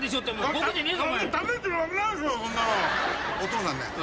お父さんね